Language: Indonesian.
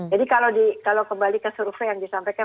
jadi kalau kembali ke survei yang disampaikan